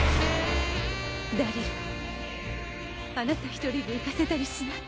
ダリルあなた一人で行かせたりしない。